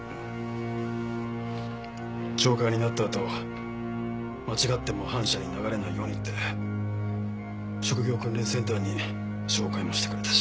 懲戒になったあと間違っても反社に流れないようにって職業訓練センターに紹介もしてくれたし。